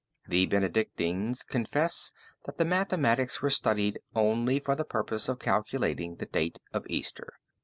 The Benedictines confess that the mathematics were studied only for the purpose of calculating the date of Easter."